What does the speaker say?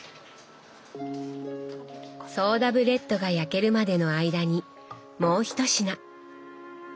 ソーダブレッドが焼けるまでの間にもう１品。